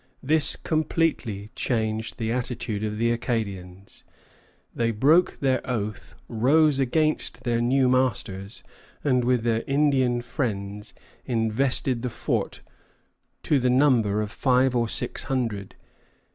This completely changed the attitude of the Acadians. They broke their oath, rose against their new masters, and with their Indian friends, invested the fort to the number of five or six hundred.